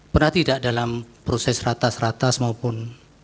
pernah tidak dalam proses ratas ratas maupun